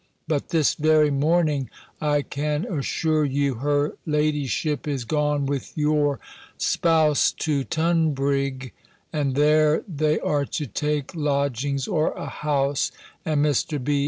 Butt this verie morninge, I can assur yowe, hir ladishippe is gon with yowre spowse to Tonbrigge; and theire they are to take lodgings, or a hous; and Mr. B.